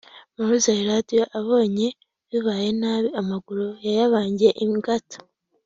Mowzey Radio abonye bibaye nabi amaguru yayabangiye ingata